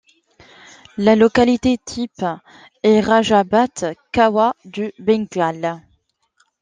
La localité type est Raja Bhat Khawa au Bengale.